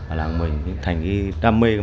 ở làng mình thành cái đam mê của mình